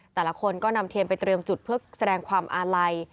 แต่ละคนก็นำเทียนไปเตรียมจุดเพื่อแสดงความอาลัย